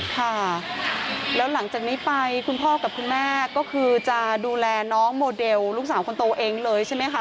ค่ะแล้วหลังจากนี้ไปคุณพ่อกับคุณแม่ก็คือจะดูแลน้องโมเดลลูกสาวคนโตเองเลยใช่ไหมคะ